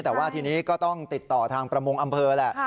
แต่ว่าทีนี้ก็ต้องติดต่อทางประมงอำเภอแหละ